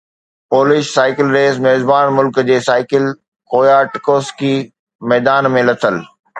polish cycle race ميزبان ملڪ جي مائيڪل ڪوياٽڪوسڪي ميدان ۾ لٿل